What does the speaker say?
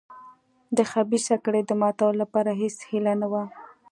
د خبیثه کړۍ د ماتولو لپاره هېڅ هیله نه وه.